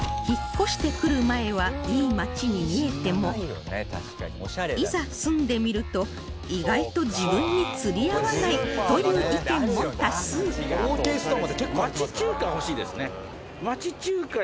引っ越してくる前はいい街に見えてもいざ住んでみると意外と自分に釣り合わないという意見も多数